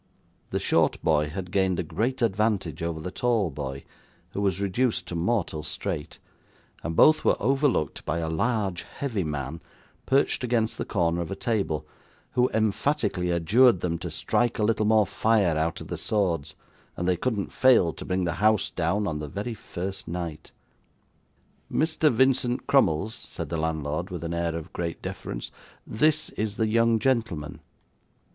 The short boy had gained a great advantage over the tall boy, who was reduced to mortal strait, and both were overlooked by a large heavy man, perched against the corner of a table, who emphatically adjured them to strike a little more fire out of the swords, and they couldn't fail to bring the house down, on the very first night. 'Mr. Vincent Crummles,' said the landlord with an air of great deference. 'This is the young gentleman.